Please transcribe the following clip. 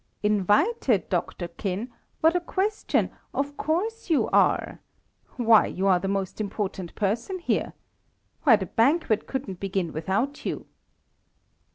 "Invited, doctorkin! What a question! Of course you are. Why, you are the most important person here. Why, the banquet couldn't begin without you."